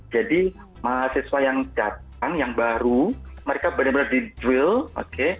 jadi mahasiswa yang datang yang baru mereka benar benar di drill oke